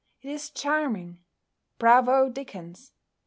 It is charming! Bravo Dickens!